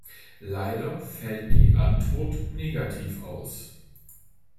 Leider fällt die Antwort wieder negativ aus.